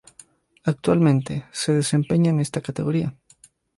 Actualmente, se desempeña en esta categoría.